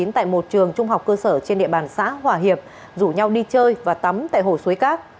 tại một trường trung học cơ sở trên địa bàn xã hòa hiệp rủ nhau đi chơi và tắm tại hồ suối cát